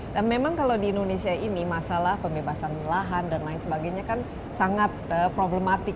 dan memang kalau di indonesia ini masalah pembebasan lahan dan lain sebagainya kan sangat problematik